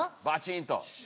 バチーンと。